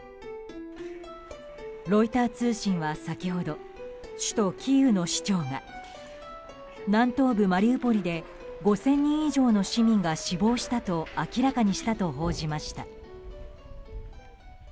ロイター通信は先ほど首都キーウの市長が南東部マリウポリで５０００人以上の市民が死亡したと明らかにしたと報じました。